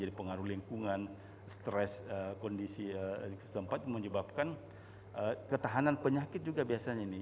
jadi pengaruh lingkungan stres kondisi di tempat menyebabkan ketahanan penyakit juga biasanya ini